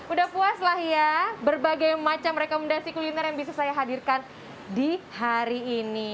udah puas lah ya berbagai macam rekomendasi kuliner yang bisa saya hadirkan di hari ini